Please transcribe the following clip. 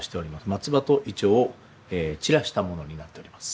松葉と銀杏を散らしたものになっております。